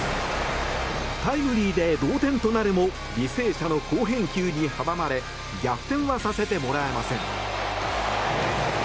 タイムリーで同点となるも履正社の好返球に阻まれ逆転は、させてもらえません。